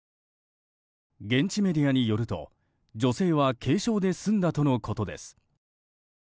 現地メディアによると、女性は軽傷で済んだとのことです。